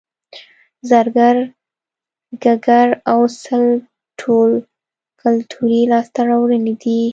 زرګر ګګر او سل ټول کولتوري لاسته راوړنې دي